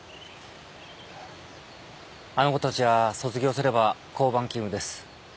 あの子たちは卒業すれば交番勤務です。